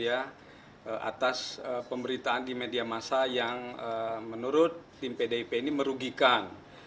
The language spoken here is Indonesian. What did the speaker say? atas pemberitaan di media masa yang menurut tim pdip ini merugikan